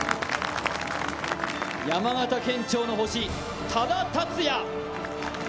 山形県庁の星、多田竜也。